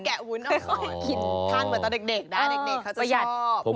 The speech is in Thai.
ทั้งเหมือนแต่เด็กนะเด็กเขาจะชอบ